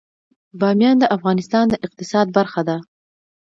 بامیان د افغانستان د اقتصاد برخه ده.